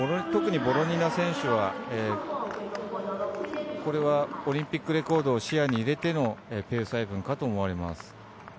特にボロニナ選手はオリンピックレコードを視野に入れてのペース配分かと思われます。